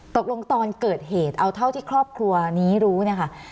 ตอนเกิดเหตุเอาเท่าที่ครอบครัวนี้รู้เนี่ยค่ะ